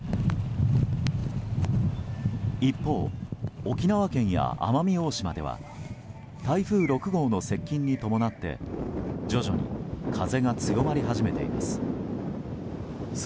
一方、沖縄県や奄美大島では台風６号の接近に伴って徐々に風が強まり始めています。